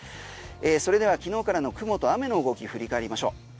それでは昨日からの雲と雨の動き振り返りましょう。